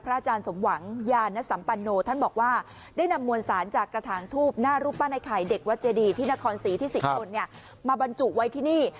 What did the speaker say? อาจารย์สมหวังยานสัมปันโนท่านบอกว่าได้นำมวลสารจากกระถางทูบหน้ารูปปั้นไอ้ไข่เด็กวัดเจดีที่นครศรีที่๑๐คนมาบรรจุไว้ที่นี่